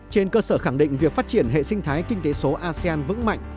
trên cơ sở khẳng định việc phát triển hệ sinh thái kinh tế số asean vững mạnh